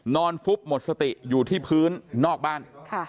ฟุบหมดสติอยู่ที่พื้นนอกบ้าน